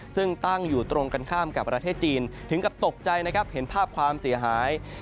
ซึ่งตั้งอยู่ตรงกันข้ามกับประเทศจีนถึงกับตกใจนะครับเห็นภาพความเสียหาย